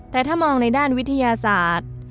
แต่ถ้ามองในด้านวิทยาศาสตร์